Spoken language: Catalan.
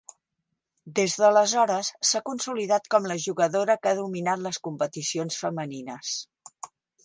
Des d'aleshores, s'ha consolidat com la jugadora que ha dominat les competicions femenines.